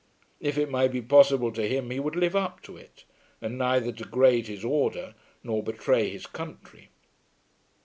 If it might be possible to him he would live up to it and neither degrade his order nor betray his country.